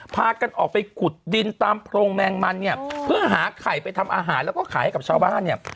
พากันออกไปขุดดินตามโพรงแมงมันเนี่ยเพื่อหาไข่ไปทำอาหารแล้วก็ขายให้กับชาวบ้านเนี่ย